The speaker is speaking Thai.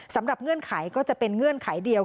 เงื่อนไขก็จะเป็นเงื่อนไขเดียว